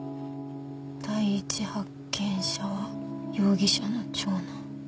「第一発見者は容疑者の長男」。